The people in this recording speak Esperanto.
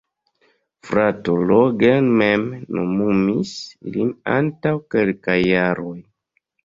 Frato Roger mem nomumis lin antaŭ kelkaj jaroj.